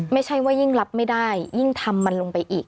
ไม่ใช่ว่ายิ่งรับไม่ได้ยิ่งทำมันลงไปอีก